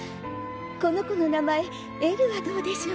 この子の名前エルはどうでしょ